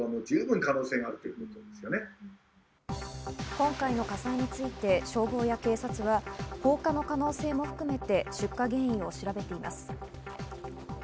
今回の火災について消防や警察は放火の可能性も含めて出火原因を調べています。